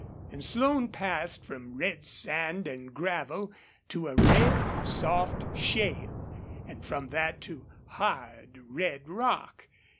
And Slone passed from red sand and gravel to a red, soft shale, and from that to hard, red rock.